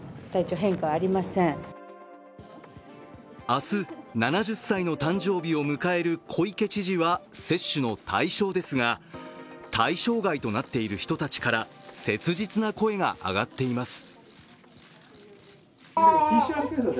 明日、７０歳の誕生日を迎える小池知事は接種の対象ですが、対象外となっている人たちから切実な声が上がっています。